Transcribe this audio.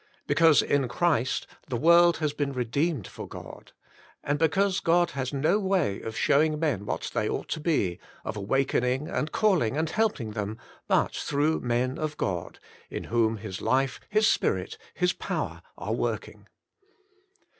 Because in Christ the world has been redeemed for God. And because God has no way of showing men what they ought to be, of awakening and calling and helping them, but through men of God, in whom His life. His spirit. His power are working.